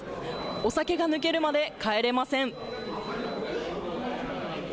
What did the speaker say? お酒が抜けるまで帰れません。